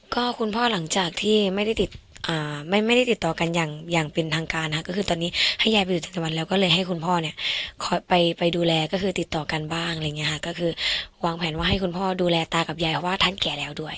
ก็คุณพ่อหลังจากที่ไม่ได้ติดไม่ได้ติดต่อกันอย่างเป็นทางการค่ะก็คือตอนนี้ให้ยายไปอยู่ต่างจังหวัดแล้วก็เลยให้คุณพ่อเนี่ยคอยไปดูแลก็คือติดต่อกันบ้างอะไรอย่างเงี้ค่ะก็คือวางแผนว่าให้คุณพ่อดูแลตากับยายว่าท่านแก่แล้วด้วย